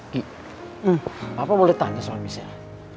g apa boleh tanya sama michelle